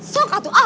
sok atuh sok